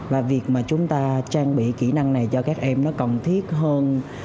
và việc mà chúng ta trang bị kỹ năng này cho các em nó cần thiết hơn